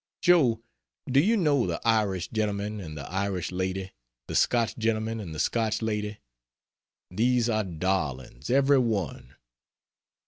Joe, do you know the Irish gentleman and the Irish lady, the Scotch gentleman and the Scotch lady? These are darlings, every one.